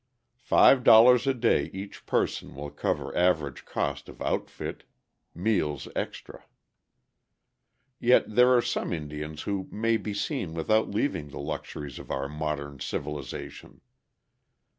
Five dollars a day each person will cover average cost of outfit; meals extra. Yet there are some Indians who may be seen without leaving the luxuries of our modern civilization.